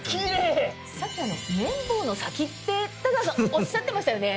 さっき綿棒の先って太川さんおっしゃってましたよね？